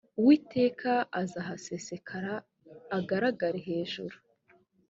uwiteka azahasesekara agaragare hejuru